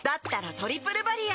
「トリプルバリア」